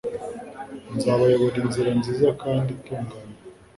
nzabayobora inzira nziza kandi itunganye